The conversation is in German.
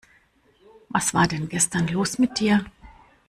Was war denn gestern los mit dir?